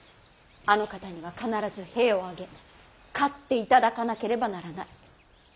あの方には必ず兵を挙げ勝っていただかなければならない。